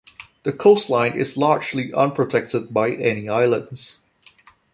The coastline is largely unprotected by any islands.